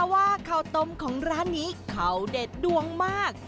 ว่าข้าวต้มของร้านนี้เขาเด็ดดวงมาก